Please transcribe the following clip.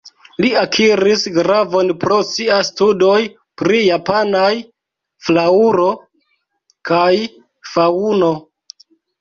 Li akiris gravon pro sia studoj pri japanaj flaŭro kaj faŭno.